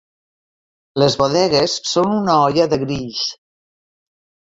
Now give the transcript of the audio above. Les bodegues són una olla de grills.